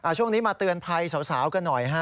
ช่วงนี้มาเตือนภัยสาวกันหน่อยฮะ